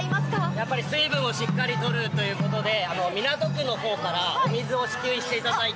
やっぱり水分をしっかりとるということで、港区のほうからお水を支給していただいて。